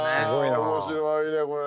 あ面白いねこれ。